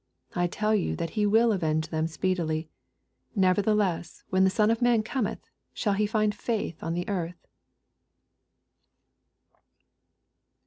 8 I tell you that he will avenge them speedily. Nevertheless, when the Son of man cometb, shtJl he find fuith on the earth